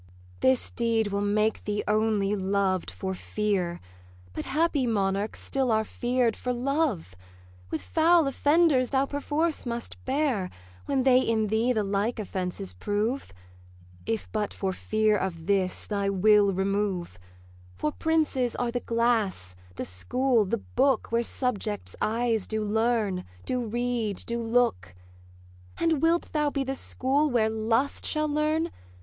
'This deed will make thee only loved for fear; But happy monarchs still are fear'd for love: With foul offenders thou perforce must bear, When they in thee the like offences prove: If but for fear of this, thy will remove; For princes are the glass, the school, the book, Where subjects eyes do learn, do read, do look. 'And wilt thou be the school where Lust shall learn?